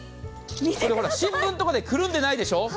新聞とかでくるんでないでしょう。